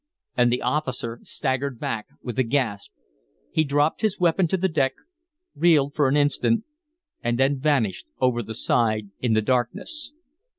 And the officer staggered back with a gasp. He dropped his weapon to the deck, reeled for an instant and then vanished over the side in the darkness.